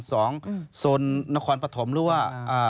โซนนครปฐมหรือว่า